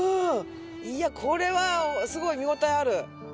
いやこれはすごい見応えある。